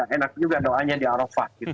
enak juga doanya di arofah